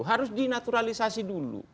harus dinaturalisasi dulu